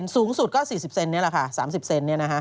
สูงสุดก็๔๐เซนต์ในแหละค่ะ๓๐เซนต์นี้นะฮะ